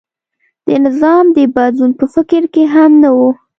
د نظام د بدلون په فکر کې هم نه و.